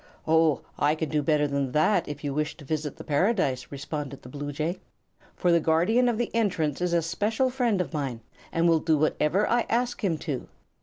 "Oh, I can do better than that, if you wish to visit the Paradise," responded the bluejay; "for the Guardian of the Entrance is a special friend of mine, and will do whatever I ask him to."